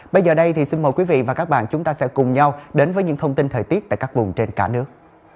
bây giờ đây thì xin mời quý vị và các bạn chúng ta sẽ cùng nhau đến với những thông tin thời tiết tại các vùng trên cả nước